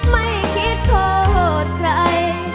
ไม่คิดโทษใคร